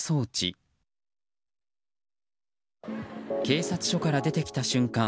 警察署から出てきた瞬間